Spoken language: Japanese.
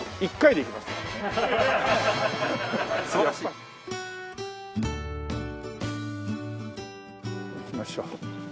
行きましょう。